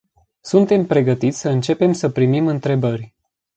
Suntem pregătiți să începem să primim întrebări.